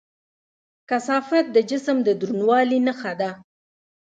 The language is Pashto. کثافت د جسم د دروندوالي نښه ده.